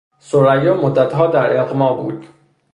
ثریا مدتها در اغما بود.